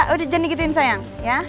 udah jangan digituin sayang